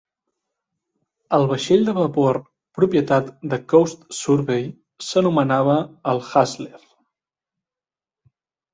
El vaixell de vapor propietat de Coast Survey s'anomenava el "Hassler".